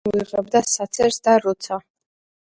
ამოიღებდა საცერს, და როცა